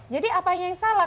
jadi apanya yang salah